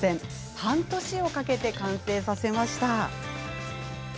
半年をかけて完成させました。